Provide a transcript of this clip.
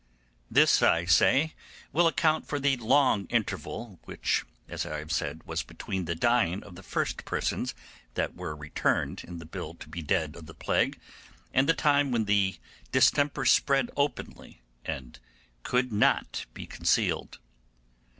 This, I say, will account for the long interval which, as I have said, was between the dying of the first persons that were returned in the bill to be dead of the plague and the time when the distemper spread openly and could not be concealed.